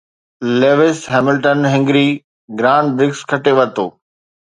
Lewis Hamilton Hungary Grand Prix کٽي ورتو